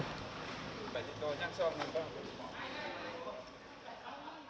cảm ơn các bạn đã theo dõi